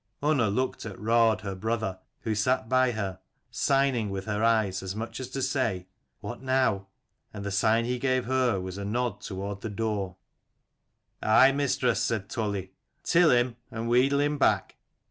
Unna looked at Raud her brother who sat by her, signing with her eyes as much as to say "What now?" and the sign he gave her was a nod toward the door. "Aye, mistress," said Toli, "till him, and wheedle him back.